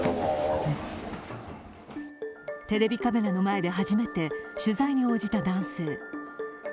テレビカメラの前で初めて取材に応じた男性。